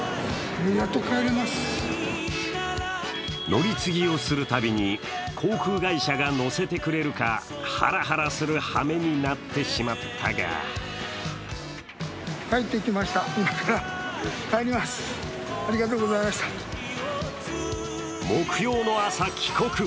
乗り継ぎをするたびに航空会社が乗せてくれるかハラハラするはめになってしまったが木曜の朝、帰国！